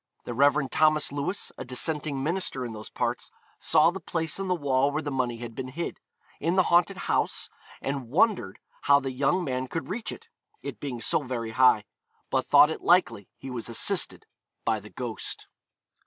The Rev. Thomas Lewis, a dissenting minister in those parts, saw the place in the wall where the money had been hid, in the haunted house, and wondered how the young man could reach it, it being so very high; but thought it likely he was assisted by the ghost.